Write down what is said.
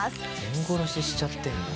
全殺ししちゃってるんだ。